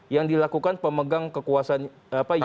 yang dilakukan pemegang kekuasaan yudikatif tertinggi